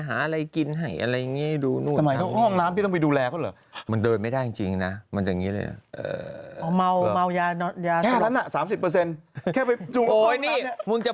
พอทำเสร็จก็มานอนที่โรงพยาบาลค่ะ